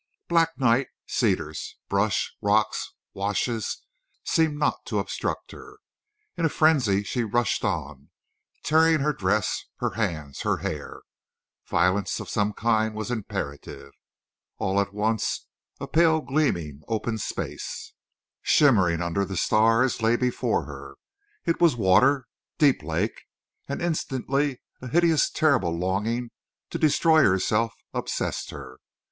Black night, cedars, brush, rocks, washes, seemed not to obstruct her. In a frenzy she rushed on, tearing her dress, her hands, her hair. Violence of some kind was imperative. All at once a pale gleaming open space, shimmering under the stars, lay before her. It was water. Deep Lake! And instantly a hideous terrible longing to destroy herself obsessed her.